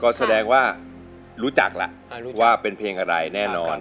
ก็แสดงว่ารู้จักล่ะว่าเป็นเพลงอะไรแน่นอน